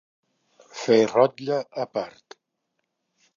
Fer rotlle a part.